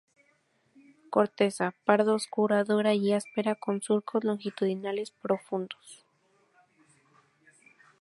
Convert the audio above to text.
Corteza: pardo oscura, dura y áspera con surcos longitudinales profundos.